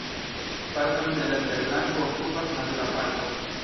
Parton de la terlango okupas natura parko.